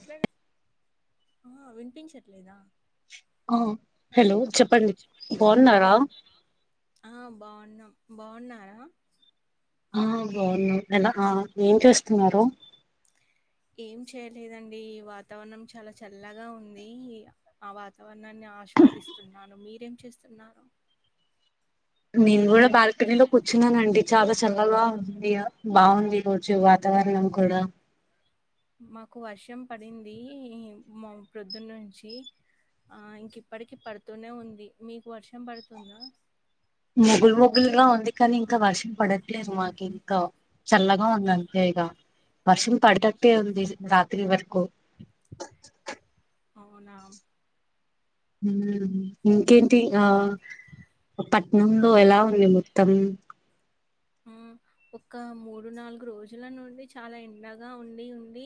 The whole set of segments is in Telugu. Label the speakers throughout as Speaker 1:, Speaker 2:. Speaker 1: ఇట్లదే ఆహ విన్పించట్లేదా
Speaker 2: ఆ హలో చెప్పండి బాగున్నారా
Speaker 1: ఆ బాగున్నాం బాగున్నారా
Speaker 2: ఆ బాను ఎలా ఆ ఏం చేస్తున్నారు
Speaker 1: ఏం చేయలేదండి ఈ వాతావరణం చాలా చల్లగా ఉంది ఆ వాతావరణం నాన్ని ఆశ్వాదిస్తున్నాను మీ ఏం చేస్తున్నారు
Speaker 2: నేను కూడా బాల్కనీలో కూర్చున్నానండి చాలా చల్లగా ఉంది ఇగ బాగుంది వొచ్చే వాతావరణం కూడా
Speaker 1: మాకు వర్షం పడింది మా ప్రొద్దున్న నుంచి ఇంక ఇప్పటికిీ పడుతూనే ఉంది మీకు వర్షం పడుతుందా
Speaker 2: ముగుల్ ముగుల్గా ఉంది కానీ ఇంకా వర్షం పడద్ ప్లీజ్ మాకింకా చల్లగా ఉందంతె ఇగ వర్షం పడటట్టే ఉంది రాత్రి వరకు
Speaker 1: అవునా
Speaker 2: ఇంకేంటి ఆ పట్నంలో ఎలా ఉంది మొత్తం
Speaker 1: ఒ మూడు నాలుగు రోజుల నుండి చాలా ఎండగా ఉండి ఉండి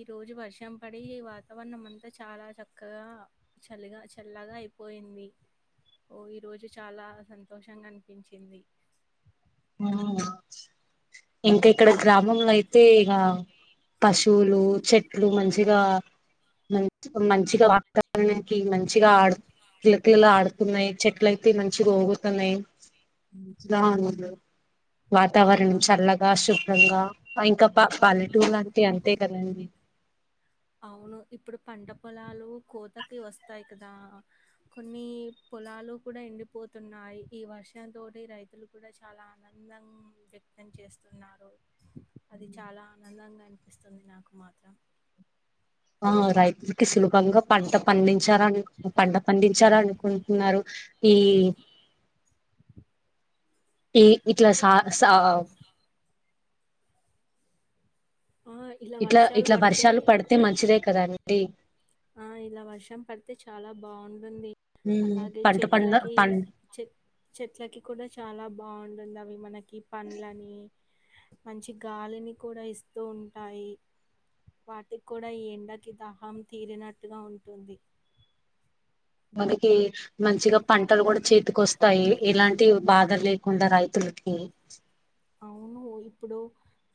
Speaker 1: ఈరోజు వర్షం పడి వాతావరణం అంతా చాలా చక్కగా చల్లిగా చల్లగా అయిపోయింది ఓ ఈరోజు చాలా సంతోషంగా అనిపించింది
Speaker 2: ఇంకా ఇక్కడ గ్రామంలో అయితే ఇక పశువులు చెట్లు మంచిగా మ మంచిగా వాతావణనికి మంచిగా ఆడు పిలకిలా ఆడుతున్నాయి చెట్ల మంచిగా ఊగు తున్నాయి
Speaker 1: అవునా?
Speaker 2: వాతావరణం చల్లగా శుభ్రంగా ఇంకా పల్లెటూరూ అంటే అంత అంతే కదండీ
Speaker 1: అవును ఇప్పుడు పంట పొలాలు కోతకి వస్తాయి కదా కొన్ని పొలాలు కూడా ఎండిపోతున్నాయి ఈ వర్షం తోటి రైతులు కూడా చాలా ఆనందం వ్యక్తం చేస్తున్నారు అది చాలా ఆనందంగా ఇస్తుంది నాకు మాత్రం [inaudible]
Speaker 2: ఆ రైతులకి సులభంగా పంట పండించారని పంట పండించారాని కుంటున్నారు ఈ ఏ ఇట్లా సా
Speaker 1: ఆ ఇలా
Speaker 2: ఇట్లా
Speaker 1: వర్షాలు
Speaker 2: ఇట్లా
Speaker 1: పడితే
Speaker 2: వర్షాలు పడితే మంచిదే కదాండి
Speaker 1: ఆ ఇలా వర్షం పడితే చాలా బాగుంది అలాగే
Speaker 2: పంట పండ
Speaker 1: చెట్లకి
Speaker 2: పం
Speaker 1: చె చెట్లకి కూడా చాలా బాగుంటుంది అవి మనకి క పను లన్ని మంచి గాలిని కూడా ఇస్తూ ఉంటాయి వాటికి కూడా ఎండకి దహం తీరినట్టుగా ఉంటుంది
Speaker 2: మనకి మంచిగా పంటలు కూడా చేతికి వస్తాయి ఎలాంటి బాధ లేకుండా రైతులకి
Speaker 1: అవును ఇప్పుడు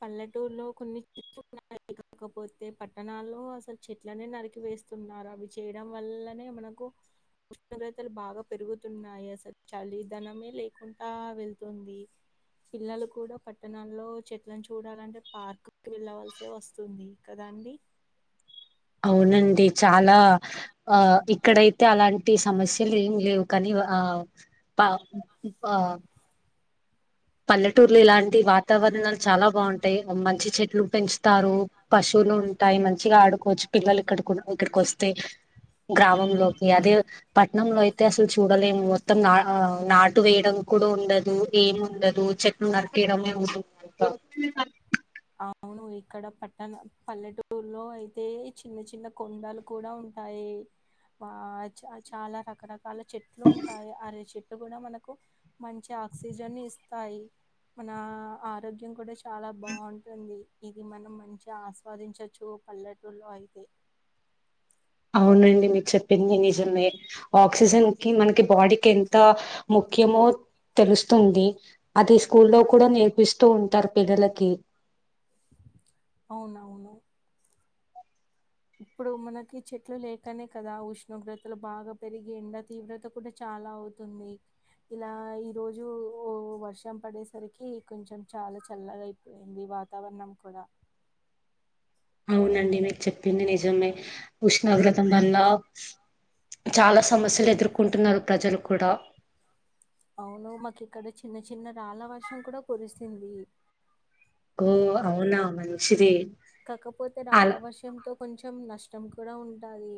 Speaker 1: పల్లెటూరులో కొన్ని ఉన్నాయి కాకపోతే పట్టణాల్లో అసలు చెట్లనే నరికి వేస్తున్నారు అవి చేయడం వల్లనే మనకు ఉష్ణోగ్రతలు బాగా పెరుగుతున్నాయి అసలు చలిదనమే లేకుండా వెళ్తుంది పిల్లలు కూడా పట్టణాల్లో చెట్లను చూడాలంటే పార్క్ వెళ్ళవలస వస్తుంది కదాండి
Speaker 2: అవునండి చాలా ఆ ఇక్కడైతే అలాంటి సమస్యలు ఏమి లేవు కానీ ఆ ఆ పల్లెటూర్లు ఇలాంటి వాతావరణాలు చాలా బాగుంటాయి మంచి చెట్లు పెంచుతారు పశువులు ఉంటాయి మంచిగా ఆడుకోవచ్చు పిల్లలు ఇక్కడ కూడా ఇక్కడికి వస్తే గ్రామంలోకి అదే పట్నంలో అయితే అసలు చూడలేము మొత్తం నా ఆ నా టు వేయడం కూడా ఉండదు ఏమి ఉండదు ఉ [unintelligible]
Speaker 1: అవును ఇక్కడ పట్టణ పల్లెటూరులో అయితే చిన్న చిన్న కొండలు కూడా ఉంటాయి ఆ చ చాలా రకరక చాలా చెట్లు ఉంటాయి అర చెట్ కూడా మనకు మంచి ఆక్సిజన్ ఇస్తాయి మన ఆరోగ్యం కూడా చాలా బాగుంట ఉంటుంది ఇది మనం మంచిగా ఆస్వాదించచ్చు పల్లెటూలో అయితే
Speaker 2: అవునండి మీకు చెప్పింది నిజమే ఆక్సిజన్కి మనకి బాడీ ఎంత ముఖ్యమో తెలుస్తుంది అది స్కూల్లో కూడా నేర్పిస్తూ ఉంటారు పిల్లలకి
Speaker 1: అవునవును ఇప్పుడు మనకి చెట్లు లేకనే కదా ఉష్ణోగ్రతలు బాగా పెరిగి ఎండ తీవ్రత కూడా చాలా అవుతుంది ఇలా ఈ రోజుఓ వర్షం పడేసరికి కొంచెం చాలా చల్లగా అయిపోయింది వాతావరణం కూడా
Speaker 2: అవునండి మీకు చెప్పింది నిజమే ఉష్ణోగ్రతం వల్ల చాలా సమస్యలు ఎదుర్కొంటున్నారు ప్రజలు కూడా
Speaker 1: అవును మాకు ఇక్కడ చిన్న చిన్న రాళ్ళ వర్షం కూడా కురిసింది
Speaker 2: ఓ అవునా మ
Speaker 1: కాకపోతే రాళ వషంతో కొంచెం కొంచెం నష్టం కూడా ఉంటది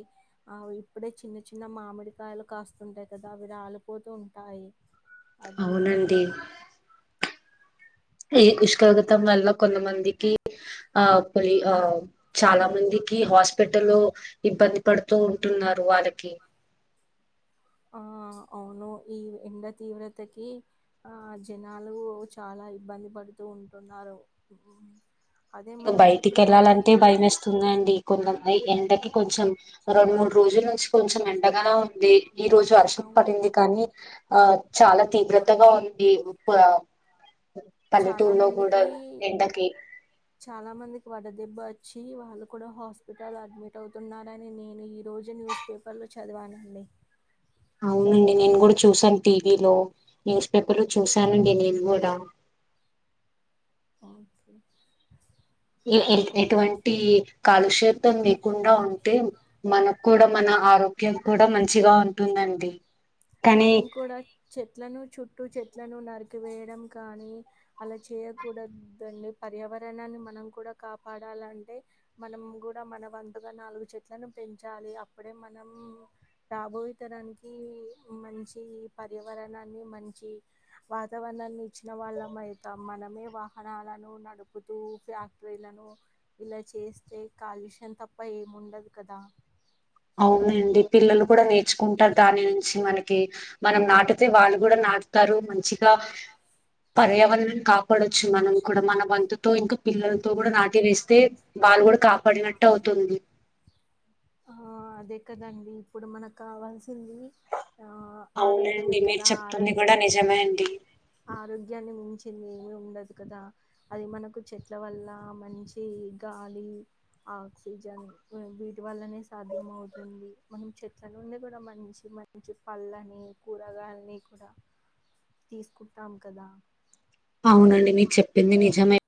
Speaker 1: ఇప్పుడే చిన్న చిన్న మామిడికాయలు కాస్తుంటాయి కదా అవి రాలిపోతూ ఉంటాయి అది
Speaker 2: అవునండి ఈ ఉష్కగత వల్ల కొంతమంది ఆ పరి ఆ చాలా మందికి హాస్పిటల్లో ఇబ్బంది పడుతూ ఉంటున్నారు వాళ్ళకి
Speaker 1: ఆ అవును ఈ ఎండ తీవ్రతకి ఆ జనాలు చాలా ఇబ్బంది పడుతూ ఉంటున్నారు అదే
Speaker 2: ఇక
Speaker 1: మనం
Speaker 2: బయటికి
Speaker 1: ఇప్పుడు
Speaker 2: వెళ్ళాలంటే
Speaker 1: బయటకెళ్
Speaker 2: భయం వస్తుందండి కొందం అ ఎండకి కొంచెం రెండు మూడు రోజుల నుంచి కొంచెం ఎండగాన ఈ రోజు వర్షం
Speaker 1: అవును
Speaker 2: పడింది కానీ ఆ చాలా తీవ్రతగా ఉంది
Speaker 1: చాలా
Speaker 2: పల్లెటూర్లో కూడా
Speaker 1: మందికి
Speaker 2: ఎండకి
Speaker 1: కొంతమందికి వడ్డదేబ్బ వచ్చి వాళ్ళు కూడా హాస్పిటల్ అడ్మిట్ అవుతున్నారని నేను ఈరోజు న్యూస్ పేపర్లో చదివానండి
Speaker 2: అవునండి నేను కూడా చూసాను టీవీలో న్యూస్ పేపర్ లో చూసానండి నేను కూడా
Speaker 1: కే
Speaker 2: ఏ ఎటువంటి కాలుషేతం లేకుండా ఉంటే మనకు కూడా మన ఆరోగ్యం కూడా మంచిగా ఉంటుందండి కానీ
Speaker 1: మనం కూడా చెట్లను చుట్టూ చెట్ చెట్లను నరికివేయడం కానీ అలా చేయకూడదండి పర్యావరణాన్ని మనం కూడా కాపాడాలంటే మనం కూడా మన వంతుగా నాలుగు చెట్లను పెంచాలి అప్పుడే మనం రాబోయిేతరానికి మంచి పర్యావరణాన్ని మంచి వాతావరణాన్ని ఇచ్చిన వాళ్ళం అవుతాం మనమే వాహనాలను నడుపుతూ ఫ్యాక్టరీలను ఇలా చేస్తే కాలుష్యం తప్ప ఏముండదు కదా
Speaker 2: అవునండి పిల్లలు కూడా నేర్చుకుంటారు దాని నుంచి మనకి మనం నాటితే వాళ్ళు కూడా నాటుతారు మంచిగా పర్యావరణం కాక పడొచ్చు మనం కూడా మన వంతు తో ఇంకా పిల్లలతో కూడా నాటి వేస్తే వాళ్ళు కూడా కాపాడినట్టు అవుతుంది
Speaker 1: ఆ అదే కదండి ఇప్పుడు మనకు కావాల్స వింది ఆ ఆరోగ్యమే
Speaker 2: అవునండి మీరు
Speaker 1: కదా ఆరోగ
Speaker 2: చెప్తుంది కూడా నిజమే అండి
Speaker 1: ఆరోగ్యాన్ని మించింది ఉండదు కదా అది మనకు చెట్ల వల్ల మంచి గాలి ఆక్సిజన్ వటి వల్లనే సాధ్యం అవుతుంది మనం చెట్ల నుండి కూడా మంచి మంచి పళ్ళని కూరగాయలని కూడా తీసుకుంటాం కదా
Speaker 2: అవునండి మీరు చెప్పింది నిజమే